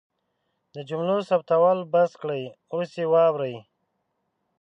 د جملو ثبتول بس کړئ اوس یې واورئ